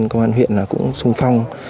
công an huyện cũng sung phong